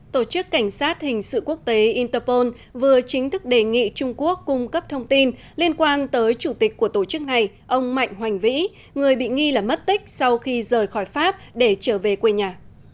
tổ chức cảnh sát hình sự quốc tế interpol vừa chính thức đề nghị trung quốc cung cấp thông tin liên quan tới chủ tịch của tổ chức này ông mạnh hoành vĩ người bị nghi là mất tích sau khi rời khỏi pháp để trở về quê nhà